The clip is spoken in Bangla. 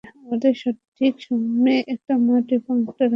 আমাদের ঠিক সামনে একটা মাঠ এবং একটা রাস্তা দেখতে পাচ্ছি।